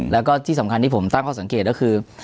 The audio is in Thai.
แล้วก็ที่สำคัญที่ผมตั้งข้อสังเกตก็คือ